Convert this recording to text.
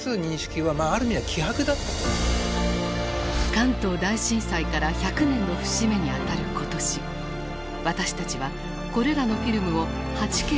関東大震災から１００年の節目にあたる今年私たちはこれらのフィルムを８Ｋ高精細化。